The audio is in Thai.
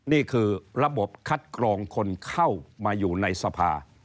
นี่คือระบบคัดกรองคนเข้ามาอยู่ในสภา